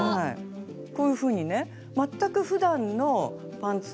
こういうふうにね全くふだんのパンツと。